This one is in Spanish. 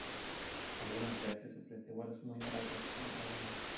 Algunas veces ofrece vuelos muy baratos como Ryanair.